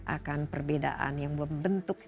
akan perbedaan yang membentuk